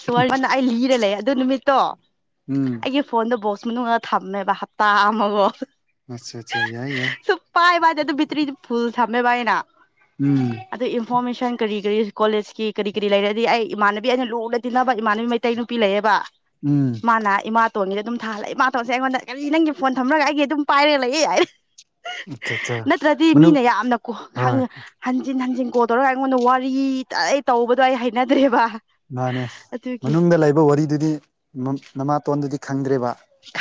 [unintelligible] ꯑꯩ ꯂꯤꯔ ꯂꯩ ꯑꯗꯨꯏ ꯅꯨꯃꯤꯠꯇꯣ ꯎꯝ ꯑꯩꯒꯤ ꯐꯣꯟꯗꯣ ꯕꯣꯛꯁ ꯃꯅꯨꯡꯗ ꯊꯝꯃꯦꯕ ꯍꯞꯇꯥ ꯑꯃꯃꯨꯛ ꯑꯆꯥ ꯑꯆꯥ ꯌꯥꯏ ꯌꯥꯏ ꯑꯗꯣ ꯄꯥꯏꯕ ꯍꯥꯏꯗꯣ ꯕꯤꯇ꯭ꯔꯤꯗꯣ ꯐꯨꯜ ꯊꯝꯃꯦꯕ ꯑꯩꯅ ꯎꯝ ꯑꯗꯨ ꯏꯟꯐꯣꯔꯃꯦꯁꯟ ꯀꯔꯤ ꯀꯔꯤ ꯀꯣꯂꯦꯖꯀꯤ ꯀꯔꯤ ꯀꯔꯤ ꯂꯩꯔꯗꯤ ꯑꯩ ꯏꯃꯥꯟꯅꯕꯤ ꯑꯩꯅ ꯂꯨ ꯇꯤꯟꯅꯕ ꯏꯃꯥꯅꯕꯤ ꯃꯩꯇꯩ ꯅꯨꯄꯤ ꯂꯩꯌꯦꯕ ꯎꯝ ꯃꯥꯅ ꯏꯃꯥ ꯇꯣꯟꯒꯤꯗ ꯑꯗꯨꯝ ꯊꯥꯍꯜꯂꯛꯑꯦ ꯃꯥ ꯇꯣꯟꯁꯦ ꯑꯩꯉꯣꯟꯗ ꯀꯔꯤ ꯅꯪꯒꯤ ꯐꯣꯟ ꯊꯝꯕ꯭ꯔꯅꯦ ꯑꯩꯒꯤ ꯑꯗꯨꯝ ꯄꯥꯏꯔꯒ ꯂꯩꯑꯦ ꯍꯥꯏꯔꯦ ꯑꯠꯆꯥ ꯑꯠꯆꯥ ꯅꯠꯇ꯭ꯔꯗꯤ ꯃꯅꯨꯡ ꯃꯤꯅ ꯌꯥꯝꯅ ꯀꯣ ꯍꯪ ꯍꯣꯏ ꯍꯟꯖꯤꯟ ꯍꯟꯖꯤꯟ ꯀꯣ ꯇꯧꯔꯒ ꯑꯩꯉꯣꯟꯗ ꯋꯥꯔꯤ ꯇꯔꯩ ꯇꯧꯕꯗꯣ ꯑꯩ ꯍꯩꯅꯗ꯭ꯔꯦꯕ ꯃꯥꯅꯦ ꯑꯗꯨꯒꯤ ꯃꯅꯨꯡꯗ ꯂꯩꯕ ꯋꯥꯔꯤꯗꯨꯗꯤ ꯅꯃꯥꯇꯣꯟꯗꯨꯗꯤ ꯈꯪꯗ꯭ꯔꯦꯕ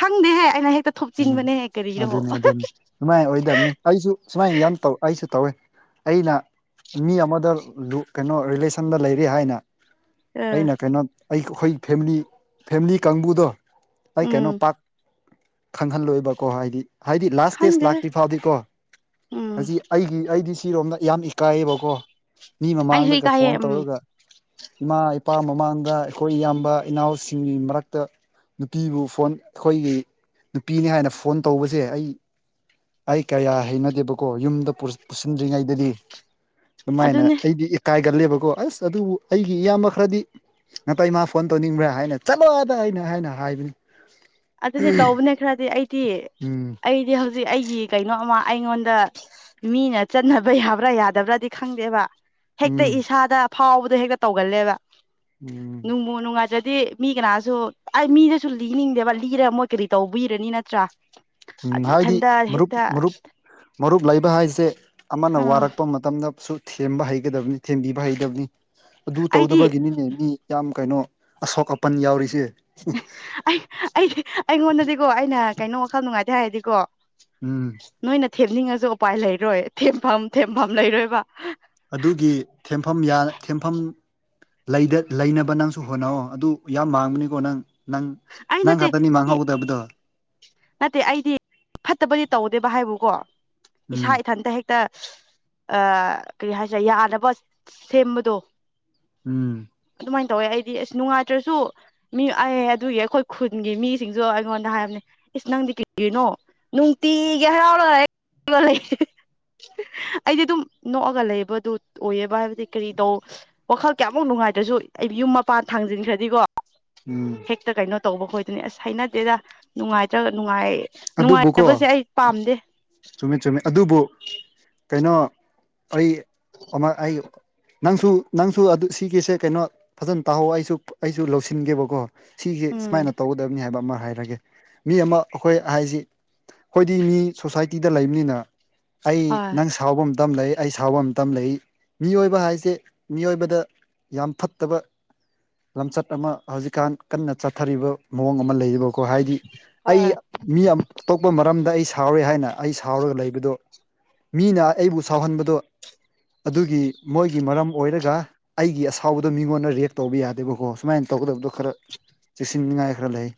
ꯈꯪꯗꯦꯍꯦ ꯑꯩꯅ ꯍꯦꯛꯇ ꯎꯝ ꯊꯣꯆꯤꯟꯕꯅꯦꯍ ꯀꯔꯤꯔꯣ ꯑꯗꯨꯅꯤ ꯑꯗꯨꯅꯤ ꯁꯨꯃꯥꯏꯅ ꯑꯣꯏꯗꯕꯅꯤ ꯑꯩꯁꯨ ꯁꯨꯃꯥꯏꯅ ꯌꯥꯝ ꯇꯧ ꯑꯩꯁꯨ ꯇꯧꯋꯦ ꯑꯩꯅ ꯃꯤ ꯑꯃꯗ ꯀꯩꯅꯣ ꯔꯤꯂꯦꯁꯟꯗ ꯂꯩꯔꯤ ꯍꯥꯏꯅ ꯑ ꯑꯩꯅ ꯀꯩꯅꯣ ꯑꯩ ꯑꯩꯈꯣꯏ ꯐꯦꯃꯤꯂꯤ ꯐꯦꯝꯂꯤ ꯀꯥꯡꯕꯨꯗꯣ ꯑꯩ ꯎꯝ ꯀꯩꯅꯣ ꯄꯥꯛ ꯈꯪꯍꯜꯂꯣꯏꯕꯀꯣ ꯍꯥꯏꯗꯤ ꯍꯥꯏꯗꯤ ꯂꯥꯁ ꯁꯇꯦꯖ ꯈꯪꯗꯦꯍꯦ ꯂꯥꯛꯇ꯭ꯔꯤ ꯐꯥꯎꯗꯤꯀꯣ ꯎꯝ ꯍꯧꯖꯤꯛ ꯑꯩꯒꯤ ꯑꯩꯗꯤ ꯁꯤꯔꯣꯝꯗ ꯌꯥꯝ ꯏꯀꯥꯏꯌꯦꯕꯀꯣ ꯃꯤ ꯑꯩꯁꯨ ꯃꯃꯥꯡꯗꯒ ꯏꯀꯥꯏꯌꯦ ꯐꯣꯟ ꯎꯝ ꯇꯧꯔꯒ ꯏꯃꯥ ꯏꯄꯥ ꯃꯃꯥꯡꯗ ꯑꯩꯈꯣꯏ ꯏꯌꯥꯝꯕ ꯏꯅꯥꯎꯁꯤꯡꯒꯤ ꯃꯔꯛꯇ ꯅꯨꯄꯤꯕꯨ ꯐꯣꯟ ꯑꯩꯈꯣꯏꯒꯤ ꯅꯨꯄꯤꯅꯤ ꯍꯥꯏꯅ ꯐꯣꯟ ꯇꯧꯕꯁꯦ ꯑꯩ ꯑꯩ ꯀꯌꯥ ꯍꯩꯅꯗꯦꯕꯀꯣ ꯌꯨꯝꯗ ꯄꯨꯁꯤꯟꯗ꯭ꯔꯤꯉꯩꯗꯗꯤ ꯑꯗꯨꯃꯥꯏꯅ ꯑꯗꯨꯅꯦ ꯑꯩꯗꯤ ꯏꯀꯥꯏꯒꯜꯂꯦꯕꯀꯣ ꯑꯁ ꯑꯗꯨꯕꯨ ꯑꯩꯒꯤ ꯏꯌꯥꯝꯕ ꯈꯔꯗꯤ ꯅꯇꯩꯃꯥ ꯐꯣꯟ ꯇꯧꯅꯤꯡꯕ꯭ꯔꯥ ꯍꯥꯏꯅ ꯆꯠꯂꯣꯑꯗ ꯑꯩꯅ ꯑꯩꯅ ꯍꯥꯏꯕꯅꯤ ꯑꯗꯨꯅꯦ ꯇꯧꯕꯅꯦ ꯈꯔꯗꯤ ꯑꯩꯗꯤ ꯎꯝ ꯑꯩꯗꯤ ꯍꯧꯖꯤꯛ ꯑꯩꯒꯤ ꯀꯩꯅꯣꯃ ꯑꯩꯉꯣꯟꯗ ꯃꯤꯅ ꯆꯠꯅꯕ ꯌꯥꯕ꯭ꯔꯥ ꯌꯥꯗꯕ꯭ꯔꯥꯗꯤ ꯈꯪꯗꯦꯕ ꯍꯦꯛꯇ ꯎꯝ ꯏꯁꯥꯗ ꯐꯥꯎꯕꯗꯣ ꯍꯦꯛꯇ ꯇꯧꯒꯜꯂꯦꯕ ꯎꯝ ꯅꯨꯡꯃ ꯅꯨꯡꯉꯥꯏ ꯇꯔꯗꯤ ꯃꯤ ꯀꯅꯥꯗꯁꯨ ꯑꯩ ꯃꯤꯗꯁꯨ ꯂꯤꯅꯤꯡꯗꯦꯕ ꯂꯤꯔꯒ ꯃꯣꯏ ꯀꯔꯤ ꯇꯧꯕꯤꯔꯅꯤ ꯅꯠꯇ꯭ꯔꯥ ꯎꯝ ꯑꯗꯨ ꯍꯥꯏꯗꯤ ꯏꯊꯟꯗ ꯃꯔꯨꯞ ꯍꯦꯛꯇ ꯃꯔꯨꯞ ꯃꯔꯨꯞ ꯂꯩꯕ ꯍꯥꯏꯁꯦ ꯑꯃꯅ ꯑꯥ ꯋꯥꯔꯛꯄ ꯃꯇꯝꯗꯁꯨ ꯊꯦꯝꯕ ꯍꯩꯒꯗꯕꯅꯤ ꯊꯦꯝꯕꯤꯕ ꯍꯩꯗꯕꯅꯤ ꯑꯗꯨ ꯑꯩꯗꯤ ꯇꯧꯗꯕꯒꯤꯅꯤꯅꯦ ꯃꯤ ꯌꯥꯝ ꯀꯩꯅꯣ ꯑꯁꯣꯛ ꯑꯄꯟ ꯌꯥꯎꯔꯤꯁꯦ ꯑꯩ ꯑꯩ ꯑꯩꯉꯣꯟꯗꯗꯤꯀꯣ ꯑꯩꯅ ꯀꯩꯅꯣ ꯋꯥꯈꯜ ꯅꯨꯡꯉꯥꯏꯇꯦ ꯍꯥꯏꯔꯗꯤꯀꯣ ꯎꯝ ꯅꯣꯏꯅ ꯊꯦꯝꯅꯤꯡꯉꯁꯨ ꯎꯄꯥꯏ ꯂꯩꯔꯣꯏ ꯊꯦꯝꯐꯝ ꯊꯦꯝꯐꯝ ꯂꯩꯔꯣꯏꯕ ꯑꯗꯨꯒꯤ ꯊꯦꯝꯐꯝ ꯌꯥ ꯊꯦꯝꯐꯝ ꯂꯩꯗ ꯂꯩꯅꯕ ꯅꯪꯁꯨ ꯍꯣꯠꯅꯑꯣ ꯑꯗꯨ ꯌꯥꯝ ꯃꯥꯡꯕꯅꯤꯀꯣ ꯅꯪ ꯅꯪ ꯑꯩ ꯅꯪ ꯅꯠꯇꯦ ꯈꯛꯇꯥꯅꯤ ꯃꯥꯡꯍꯧꯒꯗꯕꯗꯣ ꯅꯠꯇꯦ ꯑꯩꯗꯤ ꯐꯠꯇꯕꯗꯤ ꯇꯧꯗꯦꯕ ꯍꯥꯏꯕꯨꯀꯣ ꯏꯁꯥ ꯎꯝ ꯏꯊꯟꯇ ꯍꯦꯛ ꯇ ꯑ ꯀꯔꯤ ꯍꯥꯏꯁꯤꯔ ꯌꯥꯗꯕ ꯁꯦꯝꯕꯗꯣ ꯎꯝ ꯑꯗꯨꯃꯥꯏꯅ ꯇꯧꯋꯦ ꯑꯩꯗꯤ ꯑꯁ ꯅꯨꯡꯉꯥꯏꯇ꯭ꯔꯁꯨ ꯃꯤ ꯑꯩ ꯑꯗꯨꯒꯤ ꯑꯩꯈꯣꯏ ꯈꯨꯟꯒꯤ ꯃꯤꯁꯤꯡꯁꯨ ꯑꯩꯉꯣꯟꯗ ꯍꯥꯏꯕꯅꯦ ꯏꯁ ꯅꯪꯗꯤ ꯀꯤꯒꯤꯅꯣ ꯅꯨꯡꯇꯤꯒꯤ ꯍꯔꯥꯎꯔ ꯍꯦꯛ ꯂꯩ ꯑꯩꯗꯤ ꯑꯗꯨꯝ ꯅꯣꯛꯑꯒ ꯂꯩꯕ ꯑꯗꯨ ꯑꯣꯏꯑꯕ ꯍꯥꯏꯕ ꯀꯔꯤ ꯇꯧ ꯋꯥꯈꯜ ꯀꯌꯥꯃꯨꯛ ꯅꯨꯡꯉꯥꯏꯗ꯭ꯔꯁꯨ ꯑꯩ ꯌꯨꯝ ꯃꯄꯥꯟ ꯊꯥꯡꯖꯤꯟꯈ꯭ꯔꯗꯤꯀꯣ ꯎꯝ ꯍꯦꯛꯇ ꯀꯩꯅꯣ ꯇꯧꯕ ꯈꯣꯏꯗꯨꯅꯦ ꯑꯁ ꯍꯩꯅꯗꯦꯗ ꯅꯨꯡꯉꯥꯏꯇ꯭ꯔꯒ ꯅꯨꯡꯉꯥꯏ ꯅꯨꯡꯉꯥꯏ ꯑꯗꯨꯕꯨꯀꯣ ꯑꯩ ꯄꯥꯝꯗꯦ ꯆꯨꯝꯃꯦ ꯆꯨꯝꯃꯦ ꯑꯗꯨꯕꯨ ꯀꯩꯅꯣ ꯑꯩ ꯑꯃ ꯑꯩ ꯅꯪꯁꯨ ꯅꯪꯁꯨ ꯑꯗꯨ ꯁꯤꯒꯤꯁꯦ ꯀꯩꯅꯣ ꯐꯖꯅ ꯇꯥꯍꯧ ꯑꯩꯁꯨ ꯑꯩꯁꯨ ꯂꯧꯁꯤꯟꯒꯦꯕꯀꯣ ꯁꯤꯁꯦ ꯎꯝ ꯁꯨꯃꯥꯏꯅ ꯇꯧꯒꯗꯕꯅꯤ ꯍꯥꯏꯕ ꯑꯃ ꯍꯥꯏꯔꯒꯦ ꯃꯤ ꯑꯃ ꯑꯩꯈꯣꯏ ꯍꯥꯏꯁꯤ ꯑꯩꯈꯣꯏꯗꯤ ꯃꯤ ꯁꯣꯁꯥꯏꯇꯤꯗ ꯂꯩꯕꯅꯤꯅ ꯑꯩ ꯍꯣꯏ ꯅꯪ ꯁꯥꯎꯕ ꯑꯃꯇꯝ ꯂꯩ ꯑꯩ ꯁꯥꯎꯕ ꯑꯃꯇꯝ ꯂꯩ ꯃꯤꯑꯣꯏꯕ ꯍꯥꯏꯁꯦ ꯃꯤꯑꯣꯏꯕꯗ ꯌꯥꯝ ꯐꯠꯇꯕ ꯂꯝꯆꯠ ꯑꯃ ꯍꯧꯖꯤꯛꯀꯥꯟ ꯀꯟꯅ ꯆꯠꯊꯔꯤꯕ ꯃꯑꯣꯡ ꯑꯃ ꯂꯩꯔꯤꯕ ꯀꯣ ꯍꯥꯏꯗꯤ ꯑꯩ ꯍꯣꯏ ꯃꯤ ꯑꯇꯣꯞꯄ ꯃꯔꯝꯗ ꯑꯩ ꯁꯥꯎꯔꯦ ꯍꯥꯏꯅ ꯑꯩ ꯁꯥꯎꯔꯒ ꯂꯩꯕꯗꯣ ꯃꯤꯅ ꯑꯩꯕꯨ ꯁꯥꯎꯍꯟꯕꯗꯣ ꯑꯗꯨꯒꯤ ꯃꯣꯏꯒꯤ ꯃꯔꯝ ꯑꯣꯏꯔꯒ ꯑꯩꯒꯤ ꯑꯁꯥꯎꯕꯗꯣ ꯃꯤꯉꯣꯟꯗ ꯔꯦꯛ ꯇꯧꯕ ꯌꯥꯗꯦꯕꯀꯣ ꯁꯨꯃꯥꯏꯅ ꯇꯧꯒꯗꯕꯗꯣ ꯈꯔ ꯆꯦꯛꯁꯤꯟꯅꯤꯉꯥꯏ ꯈꯔ ꯂꯩ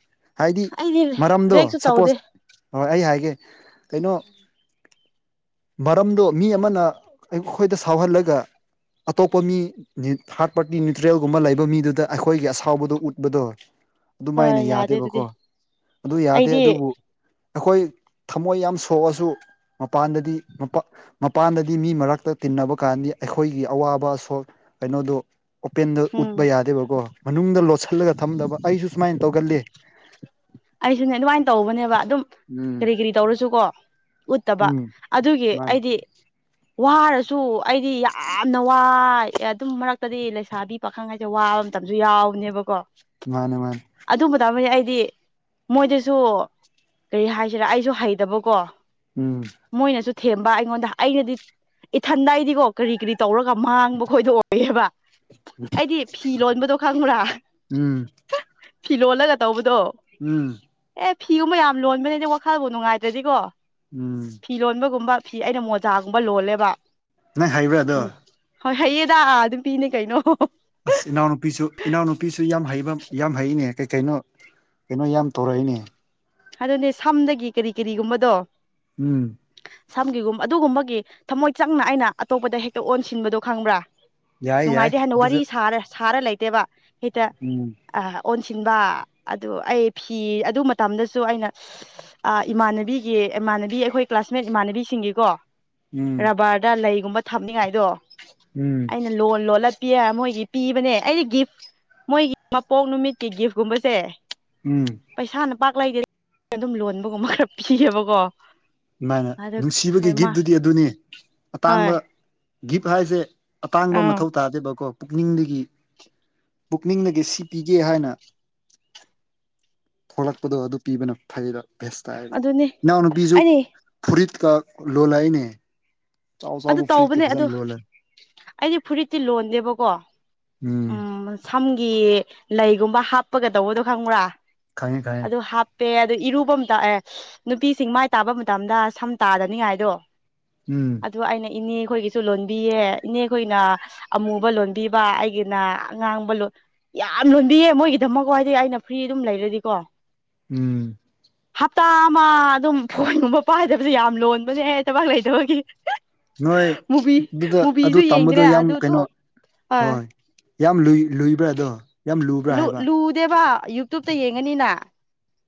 ꯍꯥꯏꯗꯤ ꯑꯩꯗꯤ ꯃꯔꯝꯗꯣ ꯕ꯭ꯔꯦꯛꯁꯨ ꯇꯧꯗꯦ ꯁꯄꯣꯁ ꯍꯣꯏ ꯑꯩ ꯍꯥꯏꯒꯦ ꯀꯩꯅꯣ ꯃꯔꯝꯗꯣ ꯃꯤ ꯑꯃꯅ ꯑꯩꯈꯣꯏꯗ ꯁꯥꯎꯍꯜꯂꯒ ꯑꯇꯣꯞꯄ ꯃꯤ ꯍꯥꯥꯔꯠ ꯄꯥꯔꯇꯤ ꯅ꯭ꯌꯨꯇ꯭ꯔꯦꯜꯒꯨꯝꯕ ꯂꯩꯕ ꯃꯤꯗꯨꯗ ꯑꯩꯈꯣꯏꯒꯤ ꯑꯁꯥꯎꯕꯗꯣ ꯎꯠꯄꯗꯣ ꯍꯣꯏ ꯑꯗꯨꯃꯥꯏꯅ ꯌꯥꯗꯦ ꯑꯗꯨꯗꯤ ꯌꯥꯗꯦꯕꯀꯣ ꯑꯗꯨ ꯌꯥꯗꯦ ꯑꯩꯗꯤ ꯑꯗꯨꯕꯨ ꯑꯩꯈꯣꯏ ꯊꯃꯣꯏ ꯌꯥꯝ ꯁꯣꯛꯑꯁꯨ ꯃꯄꯥꯟꯗꯗꯤ ꯃꯄꯥꯟꯗꯗꯤ ꯃꯤ ꯃꯔꯛꯇ ꯇꯤꯟꯅꯕ ꯀꯥꯟꯗꯤ ꯑꯩꯈꯣꯏꯒꯤ ꯑꯋꯥꯕ ꯑꯁꯣꯛ ꯀꯩꯅꯣꯗꯨ ꯑꯣꯄꯦꯟꯗ ꯎꯝ ꯎꯠꯄ ꯌꯥꯗꯦꯕꯀꯣ ꯃꯅꯨꯡꯗ ꯂꯣꯠꯁꯤꯜꯂꯒ ꯊꯝꯗꯕ ꯑꯩꯁꯨ ꯁꯨꯃꯥꯏꯅ ꯇꯧꯒꯜꯂꯤ ꯑꯩꯁꯨꯅꯦ ꯑꯗꯨꯃꯥꯏꯅ ꯇꯧꯕꯅꯦꯕ ꯑꯗꯨꯝ ꯎꯝ ꯀꯔꯤ ꯀꯔꯤ ꯇꯧꯔꯁꯨꯀꯣ ꯎꯠꯇꯕ ꯎꯝ ꯑꯗꯨꯒꯤ ꯃꯥꯅꯦ ꯑꯩꯗꯤ ꯋꯥꯔꯁꯨ ꯑꯩꯗꯤ ꯌꯥꯝꯅ ꯋꯥꯏ ꯑꯦ ꯑꯗꯨꯝ ꯃꯔꯛꯇꯗꯤ ꯂꯩꯁꯥꯕꯤ ꯄꯥꯈꯪ ꯍꯥꯏꯁꯦ ꯋꯥꯕ ꯃꯇꯝꯁꯨ ꯌꯥꯎꯕꯅꯦꯕꯀꯣ ꯃꯥꯅꯦ ꯃꯥꯅꯦ ꯑꯗꯨꯝꯕꯗ ꯑꯃꯅꯤ ꯑꯩꯗꯤ ꯃꯣꯏꯗꯁꯨ ꯀꯔꯤ ꯍꯥꯏꯁꯤꯔꯥ ꯑꯩꯁꯨ ꯍꯩꯇꯕꯀꯣ ꯎꯝ ꯃꯣꯏꯅꯁꯨ ꯊꯦꯝꯕ ꯑꯩꯉꯣꯟꯗ ꯑꯩꯅꯗꯤ ꯏꯊꯟꯗꯥꯏꯗꯤꯀꯣ ꯀꯔꯤ ꯀꯔꯤ ꯇꯧꯔꯒ ꯃꯥꯡꯕ ꯈꯣꯏꯗ ꯑꯣꯏꯌꯦꯕ ꯑꯩꯗꯤ ꯐꯤ ꯂꯣꯟꯕꯗꯣ ꯈꯪꯉ꯭ꯔꯥ ꯎꯝ ꯐꯤ ꯂꯣꯜꯂꯒ ꯇꯧꯕꯗꯣ ꯎꯝ ꯑꯦ ꯐꯤꯒꯨꯝꯕ ꯌꯥꯝ ꯂꯣꯟꯕꯅꯦꯅꯦ ꯋꯥꯈꯜꯕꯨ ꯅꯨꯡꯉꯥꯏꯇ꯭ꯔꯗꯤꯀꯣ ꯎꯝ ꯐꯤ ꯂꯣꯟꯕꯒꯨꯝꯕ ꯐꯤ ꯑꯩꯅ ꯃꯣꯖꯥꯒꯨꯝꯕ ꯂꯣꯜꯂꯦꯕ ꯅꯪ ꯍꯩꯕ꯭ꯔꯥ ꯑꯗꯣ ꯎꯝ ꯍꯣꯏ ꯍꯌꯦꯗ ꯑꯥ ꯑꯗꯨꯝ ꯄꯤꯅꯦ ꯀꯩꯅꯣ ꯑꯁ ꯏꯅꯥꯎꯅꯨꯄꯤꯁꯨ ꯏꯅꯥꯎꯅꯨꯄꯤꯁꯨ ꯌꯥꯝ ꯍꯩꯕ ꯌꯥꯝ ꯍꯩꯅꯦ ꯀꯩ ꯀꯩꯅꯣ ꯀꯩꯅꯣ ꯌꯥꯝ ꯇꯧꯔꯛꯏꯅꯦ ꯑꯗꯨꯅꯦ ꯁꯝꯗꯒꯤ ꯀꯔꯤ ꯀꯔꯤꯒꯨꯝꯕꯗꯣ ꯎꯝ ꯁꯝꯒꯤꯒꯨꯝꯕ ꯑꯗꯨꯒꯨꯝꯕꯒꯤ ꯊꯝꯃꯣꯏ ꯆꯪꯅ ꯑꯩꯅ ꯑꯇꯣꯞꯄꯗ ꯍꯦꯛꯇ ꯑꯣꯟꯁꯤꯟꯕꯗꯣ ꯈꯪꯕ꯭ꯔꯥ ꯌꯥꯏ ꯌꯥꯏ ꯅꯨꯡꯉꯥꯏꯇꯦ ꯍꯥꯏꯟꯅ ꯋꯥꯔꯤ ꯑꯗꯨꯁꯨ ꯁꯥꯔ ꯁꯥꯔ ꯂꯩꯇꯦꯕ ꯍꯦꯛꯇ ꯎꯝ ꯑ ꯑꯣꯟꯁꯤꯟꯕ ꯑꯗꯨ ꯑꯩ ꯐꯤ ꯑꯗꯨ ꯃꯇꯝꯗꯁꯨ ꯁꯨ ꯑꯩꯅ ꯏꯃꯥꯟꯅꯕꯤꯒꯤ ꯏꯃꯥꯟꯅꯕꯤ ꯑꯩꯈꯣꯏ ꯀ꯭ꯂꯥꯁꯃꯦꯠ ꯏꯃꯥꯟꯅꯕꯤꯁꯤꯡꯒꯤꯀꯣ ꯎꯝ ꯕꯥꯔꯗ ꯂꯩꯒꯨꯝꯕ ꯊꯝꯅꯤꯉꯥꯏꯗꯣ ꯎꯝ ꯑꯩꯅ ꯂꯣꯟ ꯂꯣꯜꯂꯠꯄꯤꯔ ꯃꯣꯏꯒꯤ ꯄꯤꯕꯅꯦ ꯑꯩꯗꯤ ꯒꯤꯐ ꯃꯣꯏꯒꯤ ꯃꯄꯣꯛ ꯅꯨꯃꯤꯠꯀꯤ ꯒꯤꯐꯀꯨꯝꯕꯁꯦ ꯎꯝ ꯄꯩꯁꯥꯅ ꯄꯥꯛ ꯂꯩꯗꯦ ꯑꯗꯨꯝ ꯂꯣꯟꯕꯒꯨꯝꯕ ꯈꯔ ꯄꯤꯌꯦꯕꯀꯣ ꯑꯗꯨꯃꯥꯏꯅ ꯑꯗꯨ ꯅꯨꯡꯁꯤꯕꯒꯤ ꯃꯥ ꯒꯤꯐꯇꯨꯗꯤ ꯑꯗꯨꯅꯤ ꯍꯣꯏ ꯑꯇꯥꯡꯕ ꯒꯤꯞ ꯍꯥꯏꯁꯦ ꯑꯇꯥꯡꯕ ꯑꯥ ꯃꯊꯧ ꯇꯥꯗꯦꯕꯀꯣ ꯄꯨꯛꯅꯤꯡꯗꯒꯤ ꯄꯨꯛꯅꯤꯡꯗꯒꯤ ꯁꯤ ꯄꯤꯒꯦ ꯍꯥꯏꯅ ꯊꯣꯛꯂꯛꯄꯗꯣ ꯑꯗꯨ ꯄꯤꯕꯅ ꯐꯩꯗ ꯚꯦꯁꯇꯥꯏ ꯑꯗꯨꯅꯦ ꯏꯅꯥꯎꯅꯨꯄꯤꯁꯨ ꯑꯩꯅꯦ ꯐꯨꯔꯤꯠꯀ ꯂꯣ ꯂꯩꯅꯦ ꯑꯗꯨ ꯇꯧꯕꯅꯦ ꯑꯗꯨ ꯂꯣꯜꯂꯦ ꯑꯩꯗꯤ ꯐꯨꯔꯤꯠꯇꯤ ꯂꯣꯟꯗꯦꯕꯀꯣ ꯎꯝ ꯁꯝꯒꯤ ꯂꯩꯒꯨꯝꯕ ꯍꯥꯞꯄꯒ ꯇꯧꯕꯗꯣ ꯈꯪꯕ꯭ꯔꯥ ꯈꯪꯉꯦ ꯈꯪꯉꯦ ꯑꯗꯨ ꯄꯦ ꯑꯗꯨꯗ ꯏꯔꯨꯕ ꯑꯃꯇ ꯑꯦ ꯅꯨꯄꯤꯁꯤꯡ ꯃꯥꯏ ꯇꯥꯕ ꯃꯇꯝꯗ ꯁꯝ ꯇꯥꯗꯅꯤꯡꯉꯥꯏꯗꯣ ꯎꯝ ꯑꯗꯨ ꯑꯩꯅ ꯏꯅꯦ ꯈꯣꯏꯒꯤꯁꯨ ꯂꯣꯟꯕꯤꯌꯦ ꯏꯅꯦ ꯈꯣꯏꯅ ꯑꯃꯨꯕ ꯂꯣꯟꯕꯤꯕ ꯑꯩꯒꯤꯅ ꯑꯉꯥꯡꯕ ꯂ ꯌꯥꯝ ꯂꯣꯟꯕꯤꯌꯦ ꯃꯣꯏꯒꯤꯗꯃꯛ ꯋꯥꯏꯗꯒꯤꯩ ꯑꯩꯅ ꯐ꯭ꯔꯤ ꯑꯗꯨꯝ ꯂꯩꯔꯗꯤꯀꯣ ꯎꯝ ꯍꯞꯇꯥ ꯑꯃ ꯑꯗꯨꯝ ꯐꯣꯟꯒꯨꯝꯕ ꯄꯥꯏꯗꯕꯁꯦ ꯌꯥꯝ ꯂꯣꯟꯕꯅꯦꯍ ꯊꯕꯛ ꯂꯩꯇꯕꯒꯤ ꯅꯣꯏ ꯃꯨꯚꯤ ꯑꯗꯨꯗ ꯑꯗꯨ ꯃꯨꯚꯤꯁꯨ ꯇꯝꯕꯗꯣ ꯌꯦꯡꯗ꯭ꯔꯦ ꯌꯥꯝ ꯑꯗꯨꯗꯣ ꯀꯩꯅꯣ ꯍꯣꯏ ꯌꯥꯝ ꯂꯨꯏ ꯂꯨꯏꯕ꯭ꯔꯥ ꯑꯗꯣ ꯌꯥꯝ ꯂꯨꯕ꯭ꯔꯥ ꯍꯥꯏꯕ ꯂꯨꯗꯦꯕ ꯌꯨꯇꯨꯕꯇ ꯌꯦꯡꯉꯅꯤꯅ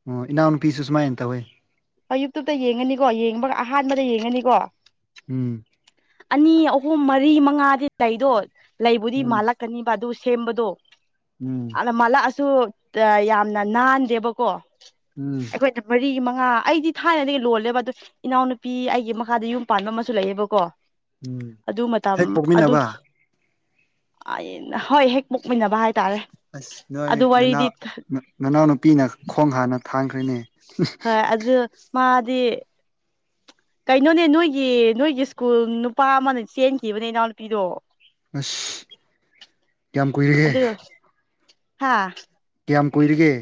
ꯑꯣ ꯏꯅꯥꯎ ꯅꯨꯄꯤꯁꯨ ꯁꯨꯃꯥꯏꯅ ꯇꯧꯋꯦ ꯍ ꯌꯨꯇꯨꯕꯇ ꯌꯦꯡꯉꯅꯤꯀꯣ ꯌꯦꯡꯉꯕꯒ ꯑꯍꯥꯟꯕꯗ ꯌꯦꯡꯉꯅꯤꯀꯣ ꯎꯝ ꯑꯅꯤ, ꯑꯍꯨꯝ, ꯃꯔꯤ, ꯃꯉꯥꯗꯤ ꯂꯩꯗꯣ ꯂꯩꯕꯨꯗꯤ ꯎꯝ ꯃꯥꯜꯂꯛ ꯀꯅꯤꯕ ꯑꯗꯨ ꯁꯦꯝꯕꯗꯣ꯫ ꯎꯝ ꯅ ꯃꯥꯜꯂꯛ ꯑꯁꯨ ꯌꯥꯝꯅ ꯅꯥꯟꯗꯦꯕ ꯀꯣ ꯎꯝ ꯑꯩꯈꯣꯏꯗ ꯃꯔꯤ ꯃꯉꯥ, ꯑꯩꯗꯤ ꯊꯥꯏꯅꯗꯒꯤ ꯂꯣꯜꯂꯦꯕ, ꯑꯗꯣ ꯏꯅꯥꯎ ꯅꯨꯄꯤ ꯑꯩꯒꯤ ꯃꯈꯥꯗ ꯌꯨꯝ ꯄꯥꯟꯕ ꯑꯃꯁꯨ ꯂꯩꯌꯦꯕꯀꯣ꯫ ꯎꯝ ꯑꯗꯨ ꯃꯇꯝ ꯍꯦꯛ ꯑꯗꯨꯒꯤ ꯄꯣꯛꯃꯤꯟꯅꯕ ꯍꯣꯏ ꯍꯦꯛ ꯃꯨꯛꯃꯤꯟꯅꯕ ꯍꯥꯏꯇꯥꯔꯦ ꯑꯁ ꯅꯣꯏ ꯑꯗꯨ ꯋꯥꯔꯤꯗꯤ ꯅꯅꯥꯎ ꯅꯅꯥꯎꯅꯨꯄꯤꯅ ꯈꯣꯡ ꯍꯥꯟꯅ ꯊꯥꯡꯈ꯭ꯔꯦꯅꯦ ꯍꯣꯏ ꯑꯗꯨ ꯃꯥꯗꯤ ꯀꯩꯅꯣꯅꯦ ꯅꯣꯏꯒꯤ ꯅꯣꯏꯒꯤ ꯁ꯭ꯀꯨꯜ ꯅꯨꯄꯥ ꯑꯃꯅ ꯆꯦꯟꯈꯤꯕꯅꯦ ꯏꯅꯥꯎꯅꯨꯄꯤꯗꯣ ꯑꯁ ꯀꯌꯥꯝ ꯀꯨꯏꯔꯒꯦ ꯑꯗ ꯍꯥ ꯀꯌꯥꯝ ꯀꯨꯏꯔꯤꯒꯦ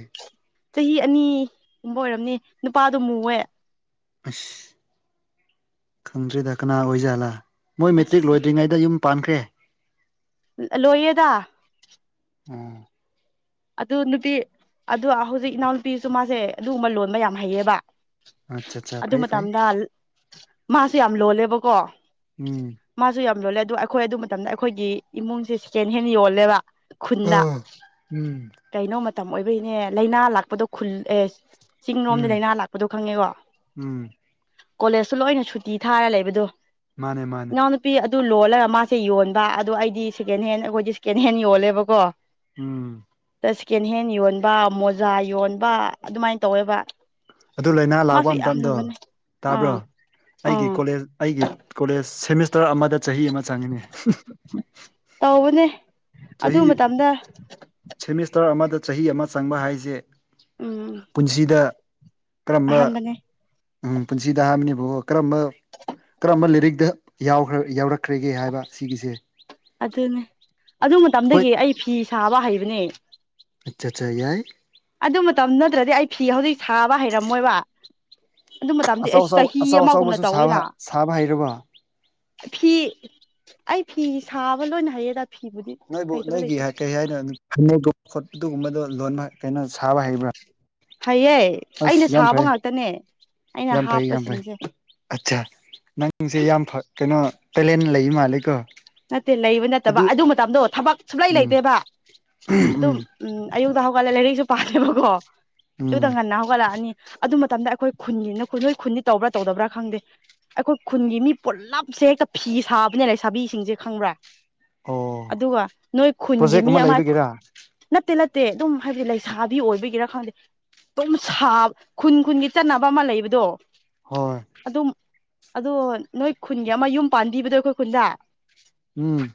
ꯆꯍꯤ ꯑꯅꯤꯒꯨꯝꯕ ꯑꯣꯏꯔꯝꯅꯤ ꯅꯨꯄꯥꯗꯨꯣ ꯃꯨꯑꯦ ꯑꯁ ꯈꯪꯗ꯭ꯔꯤꯗ ꯀꯅꯥ ꯑꯣꯏꯖꯥꯠꯂꯥ ꯃꯣꯏ ꯃꯦꯇ꯭ꯔꯤꯛ ꯑꯁ ꯂꯣꯏꯗ꯭ꯔꯤꯉꯩꯗ ꯌꯨꯝ ꯄꯥꯟꯈ꯭ꯔꯦ ꯂꯣꯏꯌꯦꯗ꯫ ꯎꯝ ꯑꯗꯨ ꯅꯨꯄꯤ ꯑꯗ ꯍꯧꯖꯤꯛ ꯏꯅꯥꯎꯅꯨꯄꯤꯁꯨ ꯃꯥꯁꯦ, ꯑꯗꯨꯒꯨꯝꯕ ꯂꯣꯟꯕ ꯌꯥꯝ ꯍꯩꯌꯦꯕ꯫ ꯑꯠꯆꯥ ꯑꯠꯆꯥ ꯑꯗꯨ ꯐꯩ ꯐꯩ ꯃꯇꯝꯗ ꯃꯥꯁꯨ ꯌꯥꯝ ꯂꯣꯜꯂꯦꯕꯀꯣ ꯎꯝ ꯃꯥꯁꯨ ꯌꯥꯝ ꯂꯣꯜꯂꯦ ꯑꯗꯨꯣ ꯑꯩꯈꯣꯏ ꯑꯗꯨ ꯃꯇꯝꯗ ꯑꯩꯈꯣꯏꯒꯤ ꯏꯃꯨꯡꯁꯦ ꯁꯦꯀꯦꯟ ꯍꯦꯟ ꯌꯣꯜꯂꯦꯕ꯫ ꯈꯨꯟꯗ ꯑꯥ ꯎꯝ ꯀꯩꯅꯣ ꯃꯇꯝ ꯑꯣꯏꯕꯒꯤꯅꯦ ꯂꯩꯅꯥ ꯂꯥꯛꯄꯗꯣ ꯈꯨꯜ ꯑꯦ ꯆꯤꯡꯔꯣꯝꯗ ꯎꯝ ꯂꯩꯅꯥ ꯂꯥꯛꯄꯗꯣ ꯈꯪꯉꯦꯀꯣ, ꯎꯝ ꯀꯣꯂꯦꯖꯇ ꯂꯣꯏꯅ ꯁꯨꯇꯤ ꯊꯥꯔ ꯂꯩꯕꯗꯣ꯫ ꯃꯥꯅꯦ ꯃꯥꯅꯦ꯫ ꯏꯅꯥꯎ ꯅꯨꯄꯤ ꯑꯗꯨ ꯂꯣꯜꯂꯒ ꯃꯥꯁꯦ ꯌꯣꯟꯕ ꯑꯗꯣ ꯑꯩꯗꯤ ꯁꯦꯀꯦꯟ ꯍꯦꯟ ꯑꯩꯈꯣꯏꯗꯤ ꯁꯦꯀꯦꯟ ꯍꯦꯟ ꯌꯣꯜꯂꯦꯕ ꯀꯣ꯫ ꯎꯝ ꯁꯦꯀꯦꯟ ꯍꯦꯟ ꯌꯣꯟꯕ ꯃꯣꯖꯥ ꯌꯣꯟꯕ ꯑꯗꯨꯃꯥꯏꯅ ꯇꯧꯋꯦꯕ ꯑꯗꯨ ꯂꯩꯅꯥ ꯂꯥꯛꯄ ꯃꯥꯁꯨ ꯌꯥꯝ ꯃꯇꯝꯗꯣ ꯂꯣꯟꯕꯅꯦ ꯇꯥꯕ꯭ꯔꯣ ꯑꯥ ꯑꯩꯒꯤ ꯑꯥ ꯀꯣꯂꯦꯖ ꯑꯩꯒꯤ ꯀꯣꯂꯦꯖ ꯁꯦꯃꯤꯁꯇꯔ ꯑꯃꯗ ꯆꯍꯤ ꯑꯃ ꯆꯪꯉꯤꯅꯦ꯫ ꯇꯧꯕꯅꯦ꯫ ꯑꯗꯨ ꯆꯍꯤ, ꯃꯇꯝꯗ ꯁꯦꯃꯤꯁꯇꯔ ꯑꯃꯗ ꯆꯍꯤ ꯑꯃ ꯆꯪꯕ ꯍꯥꯏꯁꯦ, ꯎꯝ ꯄꯨꯟꯁꯤꯗ ꯀꯔꯝꯕ, ꯑꯍꯥꯟꯕꯅꯦ ꯎꯝ ꯄꯨꯟꯁꯤꯗ ꯍꯥꯏꯕꯅꯦꯕꯀꯣ ꯀꯔꯝꯕ, ꯀꯔꯝꯕ ꯂꯤꯔꯤꯛꯗ ꯌꯥꯎꯈ꯭ꯔ ꯌꯥꯎꯔꯛꯈ꯭ꯔꯒꯦ ꯍꯥꯏꯕ ꯁꯤꯒꯤꯁꯦ? ꯑꯗꯨꯅꯦ ꯑꯗꯨ ꯑꯩꯈꯣꯏ ꯃꯇꯝꯗꯒꯤ ꯑꯩ ꯐꯤ ꯁꯥꯕ ꯍꯩꯕꯅꯦ꯫ ꯑꯆꯥ ꯑꯆꯥ ꯌꯥꯏ꯫ ꯑꯗꯨ ꯃꯇꯝ ꯅꯠꯇ꯭ꯔꯗꯤ ꯑꯩ ꯐꯤ ꯍꯧꯖꯤꯛ ꯁꯥꯕ ꯍꯩꯔꯝꯃꯣꯏꯕꯥ꯫ ꯑꯗꯨ ꯃꯇꯝꯗꯤ ꯑꯆꯧ ꯑꯁꯨ ꯑꯆꯧ ꯆꯍꯤ ꯑꯆꯧ ꯑꯃꯒꯨꯝꯅ ꯑꯆꯧꯕꯁꯨ ꯁꯥꯕ ꯇꯧꯋꯦꯅ꯫ ꯁꯥꯕ ꯍꯩꯔꯕꯣ ꯐꯤ ꯑꯩ ꯐꯤ ꯁꯥꯕ ꯂꯣꯏꯅ ꯍꯩꯌꯦꯗ꯫ ꯐꯤꯕꯨꯗꯤ ꯅꯣꯏꯕꯨ ꯍꯩꯇꯕ ꯅꯣꯏꯒꯤ ꯂꯩꯇꯦ ꯀꯩ ꯍꯥꯏꯅꯣ ꯈꯒꯨꯝꯕ ꯈꯣꯠꯄꯗꯨ ꯃꯘꯨ ꯂꯣꯟꯕ ꯀꯩꯅꯣ ꯁꯥꯕ ꯍꯩꯕ꯭ꯔꯥ? ꯍꯩꯑꯦ, ꯑꯁ ꯑꯩꯅ ꯌꯥꯝ ꯁꯥꯕ ꯐꯩ ꯉꯥꯛꯇꯅꯦ ꯑꯩꯅ ꯌꯥꯝ ꯐꯩ ꯌꯥꯝ ꯐꯩ ꯍꯥꯞꯄꯁꯤꯡꯁꯦ꯫ ꯑꯠꯆꯥ ꯅꯪꯁꯦ ꯌꯥꯝ ꯀꯩꯅꯣ ꯇꯦꯂꯦꯟ ꯂꯩ ꯃꯥꯜꯂꯦꯀꯣ꯫ ꯅꯠꯇꯦ ꯂꯩꯕ ꯅꯠꯇꯕ ꯑꯗꯨ ꯃꯇꯝꯗꯣ ꯊꯕꯛ ꯁꯨꯞꯂꯩ ꯎꯝ ꯂꯩꯇꯦꯕ ꯑꯗꯨꯝ꯫ ꯎꯝ ꯎꯝ ꯑꯌꯨꯛꯇ ꯍꯧꯒꯠꯂꯦ ꯂꯥꯏꯔꯤꯛꯁꯨ ꯄꯥꯥꯍꯜꯂꯦꯕꯀꯣ ꯎꯝ ꯑꯗꯨꯗ ꯉꯟꯅ ꯍꯧꯒꯠꯂꯛꯑꯅꯤ꯫ ꯑꯗꯨ ꯃꯇꯝꯗ ꯑꯩꯈꯣꯏ ꯈꯨꯟꯒꯤ ꯅꯣꯏ ꯈꯨꯟꯒꯤ ꯇꯧꯕ꯭ꯔꯥ ꯇꯧꯗꯕ꯭ꯔꯥ ꯈꯪꯗꯦ ꯑꯩꯈꯣꯏ ꯈꯨꯟꯒꯤ ꯃꯤ ꯄꯨꯂꯞꯁꯦ ꯍꯦꯛꯇ ꯐꯤ ꯁꯥꯕꯅꯦ ꯂꯩ ꯁꯥꯕꯤꯁꯤꯡꯁꯦ ꯈꯪꯕ꯭ꯔꯥ ꯑꯣ ꯑꯗꯨꯒ ꯅꯣꯏ ꯈꯨꯟꯒꯤ ꯄ꯭ꯔꯣꯖꯦꯛ ꯃꯤ ꯑꯃ ꯂꯩꯕꯒꯤꯔ ꯅꯠꯇꯦ ꯅꯠꯇꯦ ꯑꯗꯨꯝ ꯍꯥꯏꯕꯗꯤ ꯂꯩꯁꯥꯕꯤ ꯑꯣꯏꯕꯒꯤꯔꯥ ꯈꯪꯗꯦ ꯑꯗꯨꯝ ꯁꯥ ꯈꯨꯟ ꯈꯨꯟꯒꯤ ꯆꯠꯅꯕ ꯑꯃ ꯂꯩꯕꯗꯣ ꯍꯣꯏ ꯑꯗꯨꯝ ꯑꯗꯣ ꯅꯣꯏ ꯈꯨꯟꯒꯤ ꯑꯃ ꯌꯨꯝ ꯄꯥꯟꯕꯤꯕꯗꯣ ꯑꯩꯈꯣꯏ ꯈꯨꯟꯗ ꯎꯝ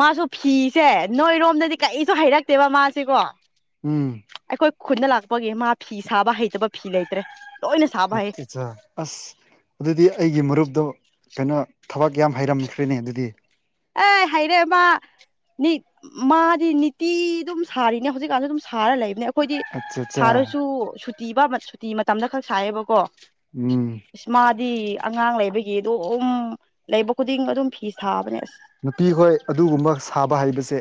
ꯃꯥꯁꯨ ꯐꯤꯁꯦ ꯅꯣꯏꯔꯣꯝꯗꯗꯤ ꯀꯔꯤꯁꯨ ꯍꯩꯔꯛꯇꯦꯕ ꯃꯥꯁꯤꯀꯣ ꯎꯝ ꯑꯩꯈꯣꯏ ꯈꯨꯟꯗ ꯂꯥꯛꯄꯒꯤ ꯃꯥ ꯐꯤ ꯁꯥꯕ ꯍꯩꯇꯕ ꯐꯤ ꯂꯩꯇ꯭ꯔꯦ꯫ ꯂꯣꯏꯅ ꯁꯥꯕ ꯍꯩ ꯃꯇꯆꯥ ꯑꯁ, ꯑꯗꯨꯗꯤ ꯑꯩꯒꯤ ꯃꯔꯨꯞꯇꯣ ꯀꯩꯅꯣ ꯊꯕꯛ ꯌꯥꯝ ꯍꯩꯔꯝꯈ꯭ꯔꯦꯅꯦ ꯑꯗꯨꯗꯤ, ꯑꯦ ꯍꯩꯔꯦ ꯃꯥ, ꯃꯥꯗꯤ ꯅꯤꯇꯤ ꯑꯗꯨꯝ ꯁꯥꯔꯤꯅꯦ ꯍꯧꯖꯤꯛꯀꯥꯟꯁꯨ ꯑꯗꯨꯝ ꯁꯥꯔ ꯂꯩꯕꯅꯦ ꯑꯩꯈꯣꯏꯗꯤ ꯑꯠꯆꯥ ꯑꯠꯆꯥ ꯁꯥꯔꯁꯨ ꯁꯨꯇꯤꯕ ꯁꯨꯇꯤ ꯃꯇꯝꯗ ꯈꯛ ꯁꯥꯏꯌꯦꯕꯀꯣ꯫ ꯎꯝ ꯏꯁ ꯃꯥꯗꯤ, ꯑꯉꯥꯡ ꯂꯩꯕꯒꯤ ꯑꯗꯨꯝ ꯂꯩꯕ ꯈꯨꯗꯤꯡ ꯑꯗꯨꯝ ꯐꯤ ꯁꯥꯥꯕꯅꯦ ꯑꯁ, ꯅꯨꯄꯤꯈꯣꯏ ꯑꯗꯨꯒꯨꯝꯕ ꯁꯥꯕ ꯍꯩꯕꯁꯦ,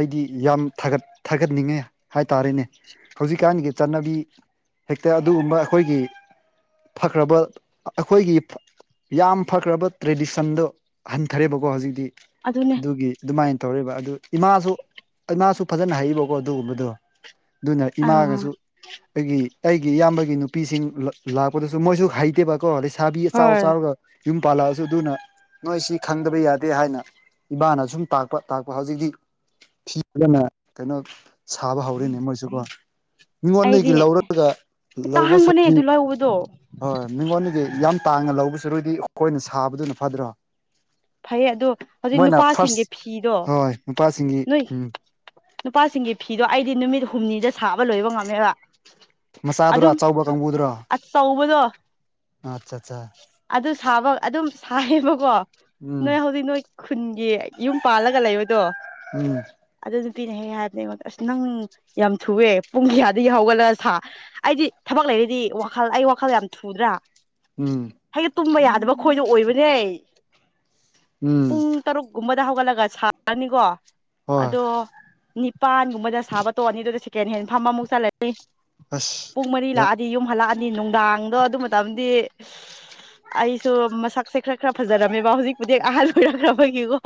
ꯑꯩꯗꯤ, ꯌꯥꯝ ꯊꯥꯒꯠ ꯊꯥꯒꯠꯅꯤꯡꯉꯦ ꯍꯥꯏꯇꯥꯔꯦꯅꯦ꯫ ꯍꯧꯖꯤꯛꯀꯥꯟꯒꯤ ꯆꯠꯅꯕꯤ ꯍꯦꯛꯇ ꯑꯗꯨꯒꯨꯝꯕ ꯑꯩꯈꯣꯏꯒꯤ ꯐꯈ꯭ꯔꯕꯥ ꯑꯩꯈꯣꯏꯒꯤ ꯌꯥꯝ ꯐꯈ꯭ꯔꯕꯥ ꯇ꯭ꯔꯦꯗꯤꯁꯟꯗꯣ ꯍꯟ ꯐꯔꯦꯕꯀꯣ ꯍꯧꯖꯤꯛꯇꯤ ꯑꯗꯨꯅꯦ ꯑꯗꯨꯒꯤ ꯑꯗꯨꯃꯥꯏꯅ ꯇꯧꯔꯤꯕ ꯑꯗꯨ ꯏꯃꯥꯁꯨ ꯏꯃꯥꯁꯨ ꯐꯖꯅ ꯍꯩꯕꯀꯣ ꯑꯗꯨꯒꯨꯝꯕꯗꯣ ꯑꯗꯨꯅ ꯑꯥ ꯏꯃꯥꯒꯁꯨ ꯑꯩꯒꯤ ꯑꯩꯒꯤ ꯏꯌꯥꯝꯕꯒꯤ ꯅꯨꯄꯤꯁꯤꯡ ꯂꯥꯛꯄꯗꯁꯨ ꯃꯣꯏꯁꯨ ꯍꯩꯇꯦꯕ ꯀꯣ ꯂꯩꯁꯥꯕꯤ ꯑꯆꯥꯎ ꯍꯣꯏ ꯆꯥꯎꯔꯒ ꯌꯨꯝ ꯄꯥꯜꯂꯛꯑꯁꯨ ꯑꯗꯨꯅ ꯅꯣꯏꯁꯤ ꯈꯪꯗꯕ ꯌꯥꯗꯦ ꯍꯥꯏꯅ ꯏꯃꯥꯅ ꯁꯨꯝ ꯇꯥꯛꯄ ꯇꯥꯛꯄ ꯍꯧꯖꯤꯛꯇꯤ ꯐꯤꯒꯅ ꯀꯩꯅꯣ ꯁꯥꯕ ꯍꯧꯔꯤꯅꯦ ꯃꯣꯏꯁꯨꯀꯣ ꯑꯩꯗꯤ ꯃꯤꯉꯣꯟꯗꯒꯤ ꯂꯧꯔꯒ ꯂꯧꯕ ꯇꯥꯡꯕꯅꯦ ꯑꯗꯨ ꯁꯛꯕꯅꯤ ꯂꯧꯕꯗꯣ ꯍꯣꯏ ꯍꯣꯏ ꯃꯤꯉꯣꯟꯗꯒꯤ ꯌꯥꯝ ꯇꯥꯡꯅ ꯂꯧꯕ ꯁꯔꯨꯛꯗꯤ ꯈꯣꯏꯅ ꯁꯥꯕꯗꯨꯅ ꯐꯠꯗ꯭ꯔꯣ ꯐꯩꯌꯦ ꯑꯗꯣ ꯍꯧꯖꯤꯛ ꯐꯥꯔꯁ ꯅꯨꯄꯥꯁꯤꯡꯒꯤ ꯐꯤꯗꯣ ꯍꯣꯏ ꯅꯨꯄꯥꯁꯤꯡꯒꯤ ꯅꯣꯏ ꯎꯝ ꯅꯨꯄꯥꯁꯤꯡꯒꯤ ꯐꯤꯗꯣ ꯑꯩꯗꯤ ꯅꯨꯃꯤꯠ ꯍꯨꯝꯅꯤꯗ ꯁꯥꯕ ꯂꯣꯏꯕ ꯉꯝꯃꯦꯕ ꯃꯆꯥꯗꯨꯔꯥ ꯑꯗꯨꯝ ꯑꯆꯧꯕ ꯀꯥꯡꯕꯨꯗꯨꯔꯥ ꯑꯆꯧꯕꯗꯣ ꯑꯠꯆꯥ ꯑꯠꯆꯥ ꯑꯗꯨ ꯁꯥꯕ ꯑꯗꯨꯝ ꯁꯥꯏꯌꯦꯕꯀꯣ ꯎꯝ ꯅꯣꯏ ꯍꯧꯖꯤꯛ ꯅꯣꯏ ꯈꯨꯟꯒꯤ ꯌꯨꯝ ꯄꯥꯜꯂꯒ ꯂꯩꯕꯥꯗꯣ ꯎꯝ ꯑꯗꯨ ꯅꯨꯄꯤꯅ ꯍꯦꯛ ꯍꯦꯛ ꯍꯥꯏꯕꯅꯦ ꯑꯩꯉꯣꯟꯗ ꯑꯁ ꯅꯪ ꯌꯥꯝ ꯊꯨꯑꯦ ꯄꯨꯡ ꯀꯌꯥꯗꯒꯤ ꯍꯧꯒꯠꯂ ꯁꯥ ꯑꯩꯗꯤ ꯊꯕꯛ ꯂꯩꯔꯗꯤ ꯋꯥꯈꯜ ꯑꯩ ꯋꯥꯈꯜ ꯌꯥꯝ ꯊꯨꯗ꯭ꯔꯥ ꯎꯝ ꯍꯥꯢꯗꯤ ꯇꯨꯝꯕ ꯌꯥꯗꯕ ꯈꯣꯏꯅ ꯑꯣꯏꯕꯅꯦ ꯎꯝ ꯄꯨꯡ ꯇꯔꯨꯛꯀꯨꯝꯕꯗ ꯍꯧꯒꯠꯂꯒ ꯁꯥꯔꯅꯤꯀꯣ ꯍꯣꯏ ꯑꯗꯣ ꯅꯤꯄꯥꯟꯒꯨꯝꯕꯗ ꯁꯥꯕ ꯇꯣꯛꯑꯅꯤ ꯑꯗꯨꯗ ꯁꯦꯀꯦꯟ ꯍꯦꯟ ꯐꯝꯕ ꯑꯃꯨꯛ ꯆꯠꯂꯅꯤ ꯑꯁ ꯄꯨꯡ ꯃꯔꯤ ꯌꯥꯝ ꯂꯥꯛꯑꯗꯤ ꯌꯨꯝ ꯍꯜꯂꯛꯑꯅꯤ ꯅꯨꯡꯗꯥꯡꯗꯣ ꯑꯗꯨ ꯃꯇꯝꯗꯤ ꯑꯩꯁꯨ ꯃꯁꯛꯁꯦ ꯈꯔ ꯈꯔ ꯐꯖꯔꯝꯃꯦꯕ ꯍꯧꯖꯤꯛꯄꯨꯗꯤ ꯑꯍꯜ ꯑꯣꯏꯔꯛꯈ꯭ꯔꯕꯒꯤꯀꯣ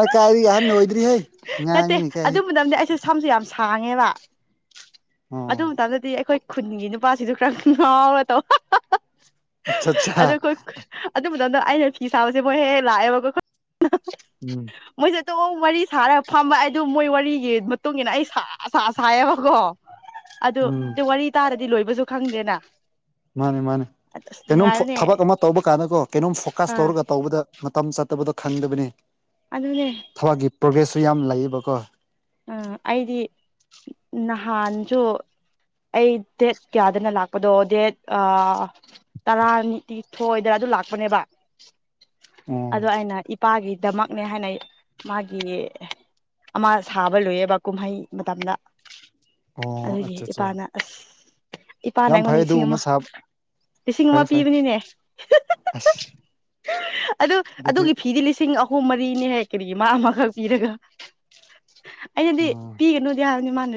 ꯑ ꯀꯥꯏꯔꯤ ꯍꯥꯏꯔ ꯅꯣꯏꯗ꯭ꯔꯤ ꯍꯣꯏ [inaudible] ꯅꯠꯇꯦ ꯑꯗꯨꯝ ꯃꯇꯝꯗꯤ ꯑꯩꯁꯦ ꯁꯝꯁꯦ ꯌꯥꯝ ꯁꯥꯡꯉꯦꯕ ꯑꯣ ꯑꯗꯨ ꯃꯇꯝꯗꯗꯤ ꯑꯩꯈꯣꯏ ꯈꯨꯟꯒꯤ ꯅꯨꯄꯥꯁꯤꯁꯨ ꯈꯔ ꯉꯥꯎꯒꯦ ꯇꯧ ꯑꯠꯆꯥ ꯑꯠꯆꯥ ꯑꯗꯨ ꯃꯇꯝꯗ ꯑꯩꯅ ꯐꯤ ꯁꯥꯕꯁꯦ ꯃꯣꯏ ꯍꯦꯛ ꯍꯦꯛ ꯂꯥꯛꯑꯦꯕꯀꯣ ꯎꯝ ꯃꯣꯏꯁꯦ ꯇ ꯋꯥꯔꯤ ꯁꯥꯔ ꯐꯝꯃ ꯑꯩ ꯑꯗꯨ ꯃꯣꯏ ꯋꯥꯔꯤꯒꯤ ꯃꯇꯨꯡ ꯏꯟꯅ ꯑꯩ ꯁꯥ ꯁꯥ ꯁꯥꯏꯌꯦꯕꯀꯣ ꯑꯗꯨ ꯎꯝ ꯑ ꯋꯥꯔꯤ ꯇꯥꯔꯗꯤ ꯂꯣꯏꯕꯁꯨ ꯈꯪꯗꯦꯅ ꯃꯥꯅꯤ ꯃꯥꯅꯤ ꯑꯁ ꯀꯩꯅꯣꯝ ꯅꯨꯡꯉꯥꯏꯕꯅꯦ ꯊꯕꯛ ꯑꯃ ꯇꯧꯕ ꯀꯥꯟꯗꯀꯣ ꯀꯩꯅꯣꯝ ꯐꯣꯀꯁ ꯑꯥ ꯇꯧꯔꯒ ꯇꯧꯕꯗ ꯃꯇꯝ ꯆꯠꯇꯕꯗꯣ ꯈꯪꯗꯕꯅꯤ ꯑꯗꯨꯅꯦ ꯊꯕꯛꯀꯤ ꯄ꯭ꯔꯣꯒ꯭ꯔꯦꯁꯁꯨ ꯌꯥꯝ ꯂꯩꯌꯦꯕꯀꯣ ꯎ ꯑꯩꯗꯤ ꯅꯍꯥꯟꯁꯨ ꯑꯩ ꯗꯦꯠ ꯀꯌꯥꯗꯅ ꯂꯥꯛꯄꯗꯣ ꯗꯦꯠ ꯇꯔꯥꯅꯤꯤ ꯊꯣꯏꯗ꯭ꯔꯥ ꯑꯗꯨ ꯂꯥꯛꯄꯅꯦꯕ ꯑꯣ ꯑꯗꯣ ꯑꯩꯅ ꯏꯄꯥꯒꯤꯗꯃꯛꯅꯦ ꯍꯥꯏꯅ ꯃꯥꯒꯤ ꯑꯃ ꯁꯥꯕ ꯂꯣꯏꯑꯦꯕ ꯀꯨꯝꯍꯩ ꯃꯇꯝꯗ ꯑꯣ ꯑꯗꯨꯒꯤ ꯑꯆꯥ ꯆꯥ ꯏꯄꯥꯅ ꯑꯁ ꯏꯄꯥꯅ ꯑꯩꯉꯣꯟꯗ ꯂꯤꯁꯤꯡ ꯑꯃ ꯁꯥꯕ ꯂꯤꯁꯤꯡ ꯑꯃ ꯐꯩ ꯐꯩ ꯄꯤꯕꯅꯤꯅꯦ ꯑꯁ ꯑꯗꯨ ꯑꯗꯨꯗꯤ ꯑꯗꯨꯒꯤ ꯐꯤꯗꯤ ꯂꯤꯁꯤꯡ ꯑꯍꯨꯝ ꯃꯔꯤꯅꯦꯍꯦ ꯀꯔꯤꯒꯤ ꯃꯥ ꯑꯃꯈꯛ ꯄꯤꯔꯒ ꯑꯩꯅꯗꯤ ꯑꯣ ꯄꯤꯒꯅꯨꯗꯤ ꯍꯥꯏꯕꯅꯤ ꯃꯥꯅ